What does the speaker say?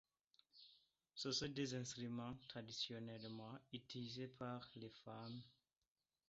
Ce sont des instruments traditionnellement utilisés par les femmes.